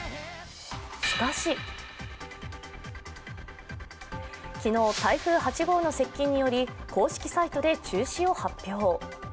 しかし昨日、台風８号の接近により公式サイトで中止を発表。